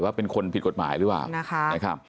ว่าเป็นคนผิดกฎหมายหรือเปล่า